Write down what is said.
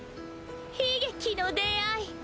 悲劇の出会い。